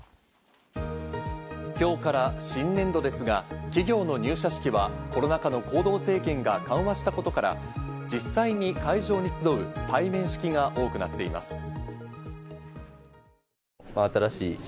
今日から新年度ですが、企業の入社式はコロナ禍の行動制限が緩和したことから、実際に会場に集う対面式が多くなっています。